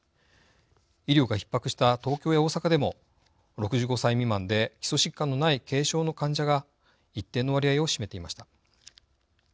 医療がひっ迫した東京や大阪でも６５歳未満で基礎疾患のない軽症の患者が一定の割合を占めていました。